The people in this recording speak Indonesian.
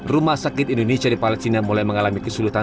rumah sakit indonesia di palestina mulai mengalami kesulitan